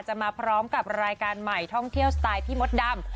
มาพร้อมกับรายการใหม่ท่องเที่ยวสไตล์พี่มดดำ